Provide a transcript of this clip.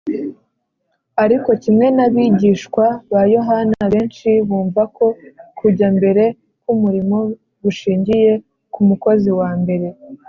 . Ariko, kimwe n’abigishwa ba Yohana, benshi bumva ko kujya mbere k’umurimo gushingiye ku mukozi wa mbere